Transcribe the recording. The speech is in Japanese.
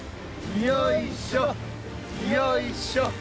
よいしょよいしょ！